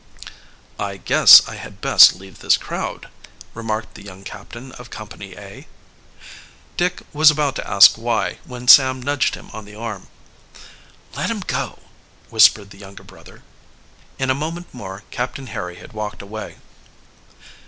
"I guess I had best leave this crowd," remarked the young captain of Company A. Dick was about to ask why, when Sam nudged him on the arm. "Let him go," whispered the younger brother. In a moment more Captain Harry had walked away.